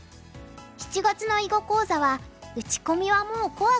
７月の囲碁講座は「打ち込みはもう怖くない！」。